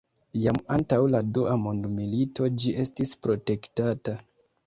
Jam antaŭ la dua mondmilito ĝi estis protektata.